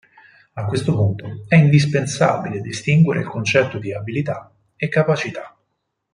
A questo punto è indispensabile distinguere il concetto di "abilità" e "capacità".